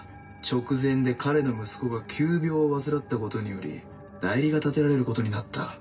直前で彼の息子が急病を患ったことにより代理が立てられることになった。